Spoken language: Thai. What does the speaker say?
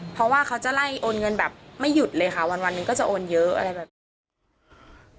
เพราะว่าเขาจะไล่โอนเงินแบบไม่หยุดเลยค่ะวันหนึ่งก็จะโอนเยอะอะไรแบบนี้